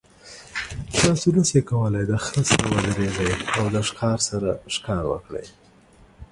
تاسو نشئ کولی د خر سره ودریږئ او د ښکار سره ښکار وکړئ.